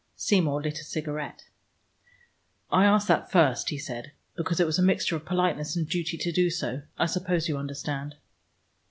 Seymour lit a cigarette. "I asked that first," he said, "because it was a mixture of politeness and duty to do so. I suppose you understand."